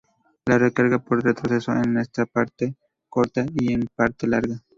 La recarga por retroceso es en parte corta y en parte larga.